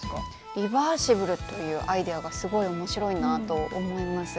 リバーシブルというアイデアがすごい面白いなと思います。